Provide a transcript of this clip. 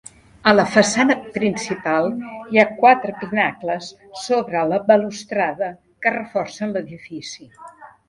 A la façana principal hi ha quatre pinacles sobre la balustrada que reforcen l'edifici.